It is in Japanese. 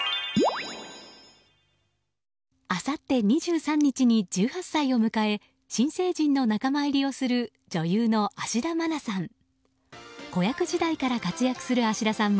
あさって２３日に１８歳を迎え新成人の仲間入りをする女優の芦田愛菜さん。